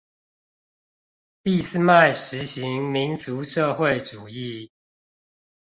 俾斯麥實行民族社會主義